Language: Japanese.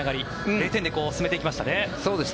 ０点で進めていきましたね。